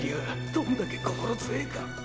どんだけ心強えか。